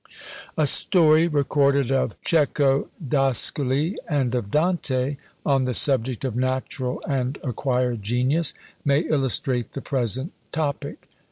A story recorded of Cecco d'Ascoli and of Dante, on the subject of natural and acquired genius, may illustrate the present topic.